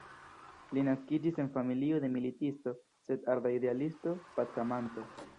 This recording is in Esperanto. Li naskiĝis en familio de militisto sed arda idealisto-pacamanto.